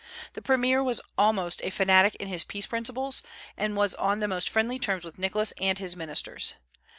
The premier was almost a fanatic in his peace principles, and was on the most friendly terms with Nicholas and his ministers.